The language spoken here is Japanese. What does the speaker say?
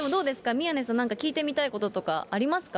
宮根さん、なんか聞いてみたいこととかありますか？